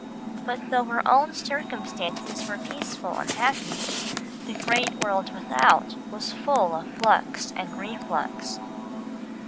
But though her own circumstances were peaceful and happy, the great world without was full of flux and reflux.